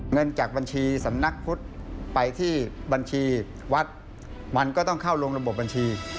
เงินจากบัญชีสำนักพุทธไปที่บัญชีวัดมันก็ต้องเข้าลงระบบบัญชี